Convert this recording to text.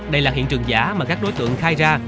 đây là hiện trường giả mà các đối tượng khai ra